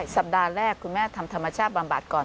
สัปดาห์แรกคุณแม่ทำธรรมชาติบำบัดก่อน